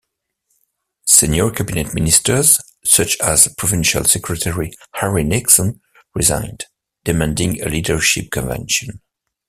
Senior cabinet ministers such as Provincial Secretary Harry Nixon resigned, demanding a leadership convention.